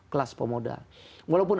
kelas pemodal walaupun